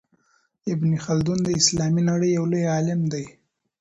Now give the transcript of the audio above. ابن خلدون د اسلامي نړۍ يو لوی عالم دی.